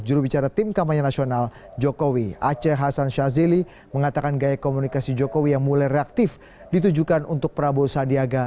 jurubicara tim kampanye nasional jokowi aceh hasan shazili mengatakan gaya komunikasi jokowi yang mulai reaktif ditujukan untuk prabowo sandiaga